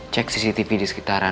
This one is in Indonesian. cek cctv di sekitaran